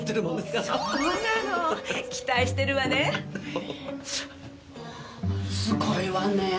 すごいわねぇ